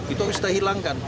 itu harus kita hilangkan